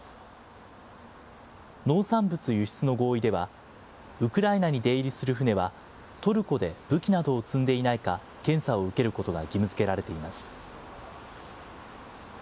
農産物輸出の合意では、ウクライナに出入りする船は、トルコで武器などを積んでいないか、検査を受けることが義務づけられています。